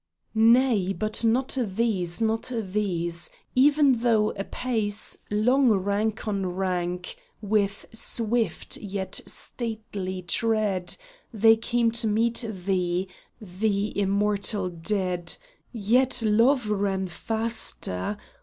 Nay, but not these ! not these ! Even though apace, Long rank on rank, with swift yet stately tread They came to meet thee — the immortal dead — Yet Love ran faster